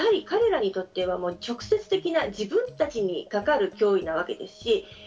彼らにとって直接的な自分たちにかかる脅威なわけです。